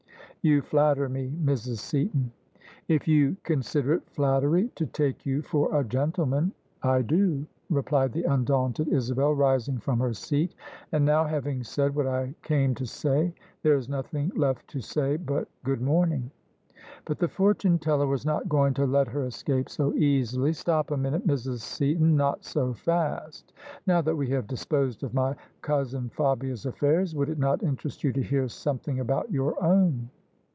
" You flatter me, Mrs. Seaton." " If ^ou consider it flattery to take you for a gentleman, [^54] OF ISABEL CARNABY I do/' replied the undaunted Isabel, rising from her seat. And now, having said what I came to say, there is nothing left to say but good morning." But the fortune teller was not going to let her escape so easily. " Stop a minute, Mrs. Seaton ; not so fast. Now that we have disposed of my cousin Fabia's affairs, would it not interest you to hear something about your own?"